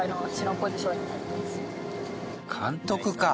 監督か。